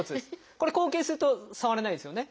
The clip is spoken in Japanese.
これ後傾すると触れないですよね。